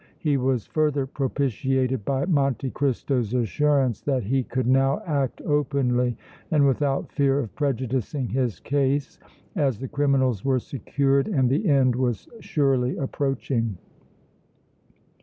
He was further propitiated by Monte Cristo's assurance that he could now act openly and without fear of prejudicing his case, as the criminals were secured and the end was surely approaching.